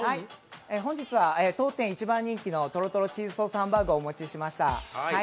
本日は当店一番人気のとろとろチーズソースハンバーグをお持ちいたしました。